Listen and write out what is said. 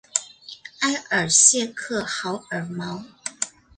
埃尔谢克豪尔毛。